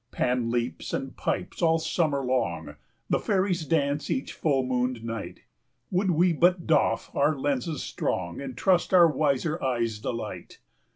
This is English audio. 40 Pan leaps and pipes all summer long, The fairies dance each full mooned night, Would we but doff our lenses strong, And trust our wiser eyes' delight.